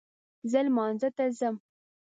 زه لمانځه ته ځم